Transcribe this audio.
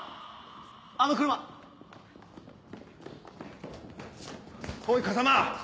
あの車！おい風真！